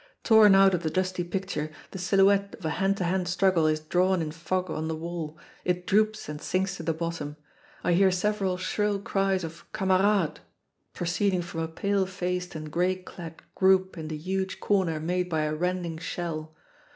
Torn out of the dusty picture, the silhouette of a hand to hand struggle is drawn in fog on the wall, it droops and sinks to the bottom. I hear several shrill cries of "Kamarad!" proceeding from a pale faced and gray clad group in the huge corner made by a rending shell.